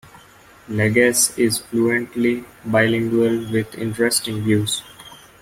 Lagasse is fluently bilingual with interesting views.